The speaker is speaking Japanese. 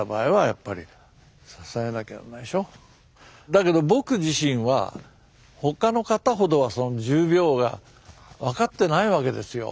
だけど僕自身は他の方ほどは重病が分かってないわけですよ。